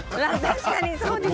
確かにそうですね。